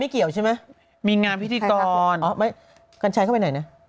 ไม่เกี่ยวใช่ไหมมีงานพิธีกรคำไม่คนชายเข้าไปไหนนะ